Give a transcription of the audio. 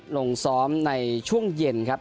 ลงซ้อมในช่วงเย็นครับ